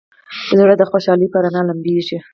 زړه د خوشحالۍ په رڼا لمبېږي.